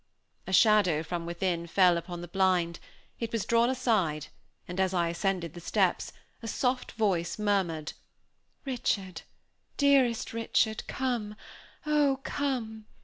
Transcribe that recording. A shadow from within fell upon the blind; it was drawn aside, and as I ascended the steps, a soft voice murmured "Richard, dearest Richard, come, oh! come!